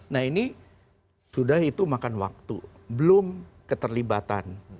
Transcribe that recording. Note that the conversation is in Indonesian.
nah ini sudah itu makan waktu belum keterlibatan